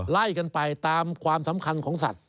ไล่กันไปตามความสำคัญของสัตว